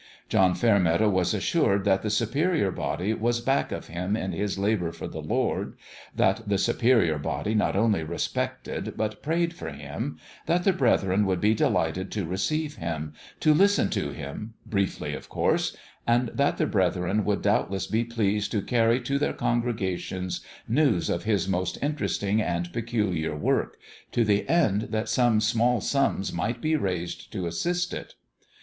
John Fairmeadow was assured that the Superior Body was "back " of him in his " labour for the Lord " that the Superior Body not only respected but prayed for him that the brethren would be delighted to receive him to listen to him briefly, of course and that the brethren would doubtless be pleased to carry to their IN HIS OWN BEHALF 333 congregations news of his most interesting and peculiar work, to the end that some small sums might be raised to assist it.